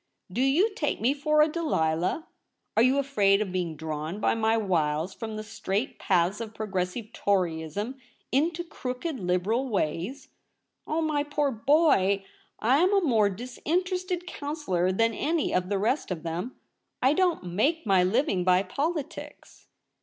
' Do you take me for a Delilah ? Are you afraid of being drawn by my wiles from the straight paths of Progressive Toryism into crooked Liberal ways ? Oh, my poor boy ! I am a more disinterested counsellor than any of the rest of them. / don't make my living by politics.'